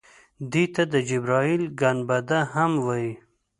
دې ته د جبرائیل ګنبده هم وایي.